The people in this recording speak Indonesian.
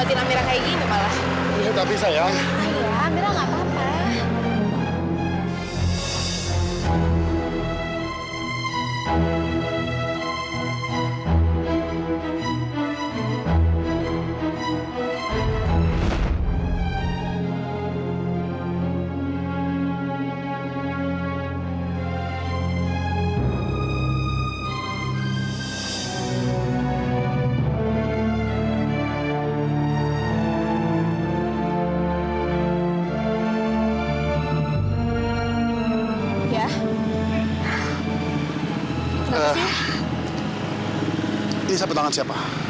ini siapa tangan siapa